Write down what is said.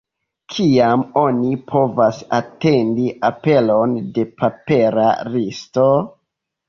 Kiam oni povas atendi aperon de papera listo?